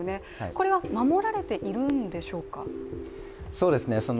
これは守られているんでしょうか？